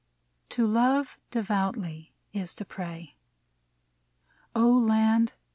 To love devoutly is to pray. O Land